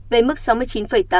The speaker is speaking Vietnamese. về mức sáu mươi chín tám mươi năm